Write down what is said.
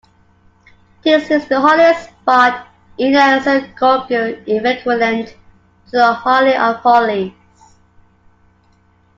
This is the holiest spot in a synagogue, equivalent to the Holy of Holies.